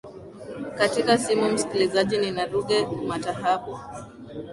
katika simu msikilizaji nina ruge mutahabwa